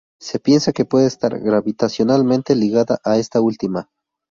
Se piensa que puede estar gravitacionalmente ligada a esta última.